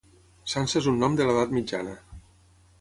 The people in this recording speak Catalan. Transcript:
Sança és un nom de l'edat mitjana.